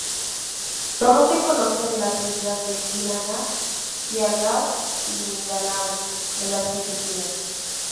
Sólo se conoce de las islas de Dinagat, Siargao y Mindanao en las Filipinas.